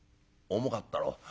「重かったろう」。